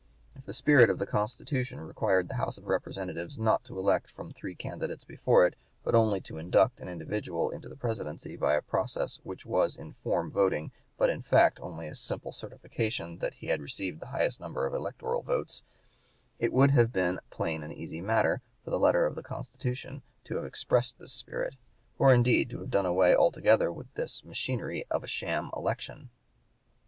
If the spirit of the Constitution (p. 172) required the House of Representatives not to elect from three candidates before it, but only to induct an individual into the Presidency by a process which was in form voting but in fact only a simple certification that he had received the highest number of electoral votes, it would have been a plain and easy matter for the letter of the Constitution to have expressed this spirit, or indeed to have done away altogether with this machinery of a sham election.